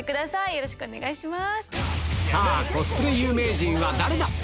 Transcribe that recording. よろしくお願いします。